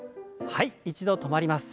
はい止まります。